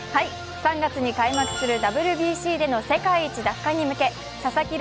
３月に開幕するＷＢＣでの世界一奪還に向け佐々木朗